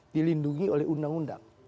dilindungi oleh undang undang